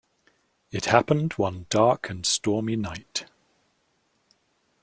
It happened one dark and stormy night.